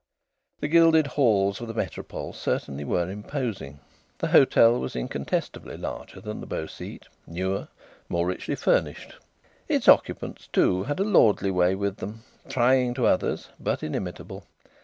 The gilded halls of the Métropole certainly were imposing. The hotel was incontestably larger than the Beau Site, newer, more richly furnished. Its occupants, too, had a lordly way with them, trying to others, but inimitable.